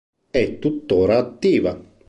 È tuttora attiva.